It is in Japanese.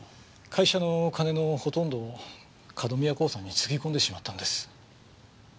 会社の金のほとんどを角宮興産につぎ込んでしまったんです。